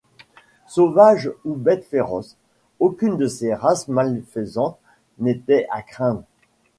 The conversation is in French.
Sauvages ou bêtes féroces, aucune de ces races malfaisantes n’était à craindre.